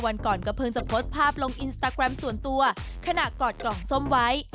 วันก่อนก็เพิ่งจะโพสต์ภาพลงอินสตาแกรมส่วนตัวขณะกอดกล่องส้มไว้